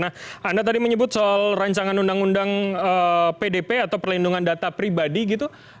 nah anda tadi menyebut soal rancangan undang undang pdp atau perlindungan data pribadi gitu